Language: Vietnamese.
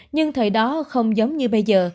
nhưng thời đó không giống như bây giờ